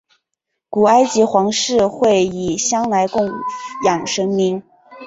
古埃及皇室会以香来供养神明。